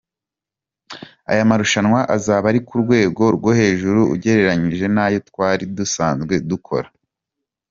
Aya marushanwa azaba ari ku rwego rwo hejuru ugereranyije n’ayo twari dusanzwe dukora.